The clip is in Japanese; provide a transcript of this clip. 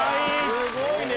すごいね。